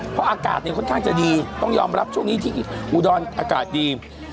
เพราะอากาศเนี่ยค่อนข้างจะดีต้องยอมรับช่วงนี้ที่อุดรอากาศดี